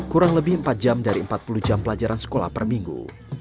kurang lebih empat jam dari empat puluh jam pelajaran sekolah per minggu